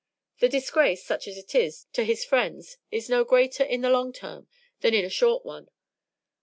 The disgrace, such as it is, to his friends, is no greater in a long term than in a short one.